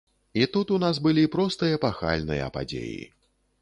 І тут у нас былі проста эпахальныя падзеі.